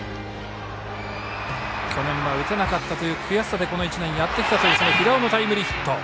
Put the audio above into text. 去年は打てなかったという悔しさでこの１年やってきたという平尾のタイムリーヒット。